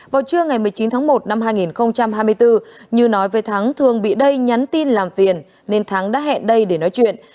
vào trưa ngày một mươi chín tháng một năm hai nghìn hai mươi bốn như nói về thắng thường bị đây nhắn tin làm phiền nên thắng đã hẹn đây để nói chuyện